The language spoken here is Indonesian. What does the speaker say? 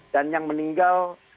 dan yang meninggal enam empat ratus